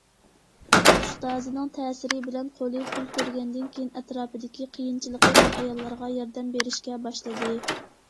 ئۇستازىنىڭ تەسىرى بىلەن قولى پۇل كۆرگەندىن كېيىن ئەتراپىدىكى قىيىنچىلىقى بار ئاياللارغا ياردەم بېرىشكە باشلىدى.